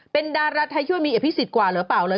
เป็นดาราไทยช่วยมีอภิษฎกว่าหรือเปล่าเลย